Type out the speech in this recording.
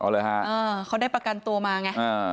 อ๋อเลยฮะเออเขาได้ประกันตัวมาไงอืม